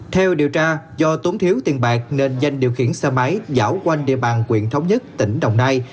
theo điều tra do tốn thiếu tiền bạc nên danh điều khiển xe máy dão quanh địa bàn quyện thống nhất tỉnh đồng nai